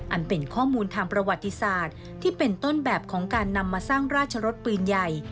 เป็นข้อมูลทางประวัติศาสตร์ที่เป็นต้นแบบของการนำมาสร้างราชรสปืนใหญ่